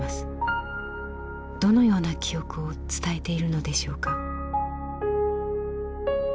どのような記憶を伝えているのでしょうか。